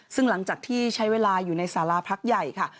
ซึ่งหลังจากที่ใช้เวลาอยู่ในสาราพักใหญ่ค่ะ